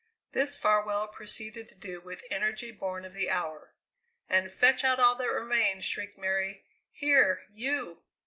This Farwell proceeded to do with energy born of the hour. "And fetch out all that remains!" shrieked Mary. "Here, you!